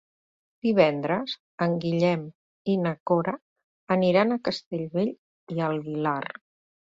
Divendres en Guillem i na Cora aniran a Castellbell i el Vilar.